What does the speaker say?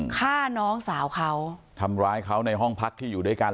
ฆ่าน้องสาวเขาทำร้ายเขาในห้องพักที่อยู่ด้วยกัน